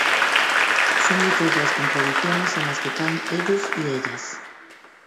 Son muchas las contradicciones en las que caen ellos y ellas.